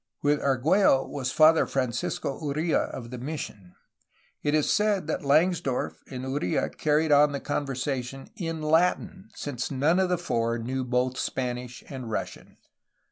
With Argiiello was Father Francisco Uria of the mission. It is said that Langsdorff and Uria carried on the conversation in Latiriy since none of the four knew both Spanish and Russian.